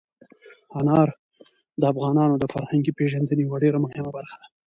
انار د افغانانو د فرهنګي پیژندنې یوه ډېره مهمه برخه ده.